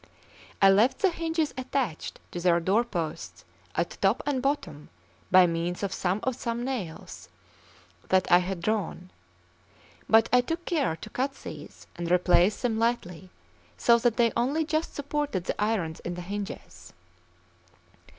I left the hinges attached to their door posts at top and bottom by means of some of the same nails that I had drawn; but I took care to cut these and replace them lightly, so that they only just supported the irons of the hinges.